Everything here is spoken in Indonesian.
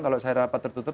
kalau saya rapat tertutup